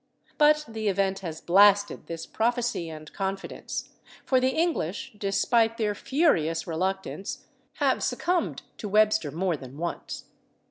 But the event has blasted this prophecy and confidence, for the English, despite their furious reluctance, have succumbed to Webster more than once.